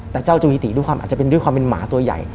แต่เจ้าจูฮิติด้วยความเป็นหมาตัวใหญ่